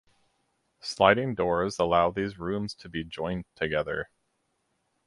Sliding doors allow these rooms to be joined together.